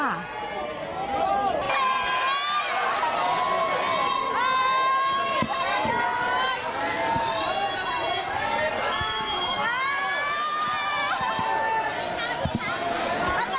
แล้วก็ได้ช่องนะครับคุณพ่อ